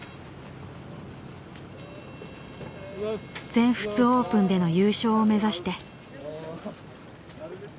全仏オープンでの優勝を目指して。